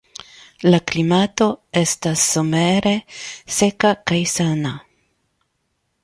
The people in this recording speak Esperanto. La klimato estas somere seka kaj sana.